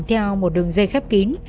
theo một đường dây khép kín